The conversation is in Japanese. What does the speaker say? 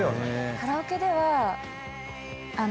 カラオケではあの。